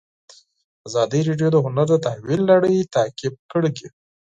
ازادي راډیو د هنر د تحول لړۍ تعقیب کړې.